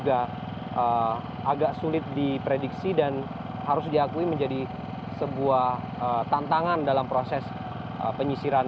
agak sulit diprediksi dan harus diakui menjadi sebuah tantangan dalam proses penyisiran